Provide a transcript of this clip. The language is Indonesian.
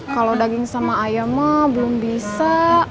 kalau daging sama ayam mah belum bisa